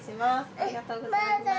ありがとうございます。